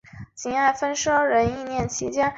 此后明清两朝均沿用四郊分祀制度。